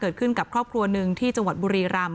เกิดขึ้นกับครอบครัวหนึ่งที่จังหวัดบุรีรำ